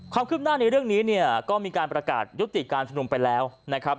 ความคืบหน้าในเรื่องนี้เนี่ยก็มีการประกาศยุติการชุมนุมไปแล้วนะครับ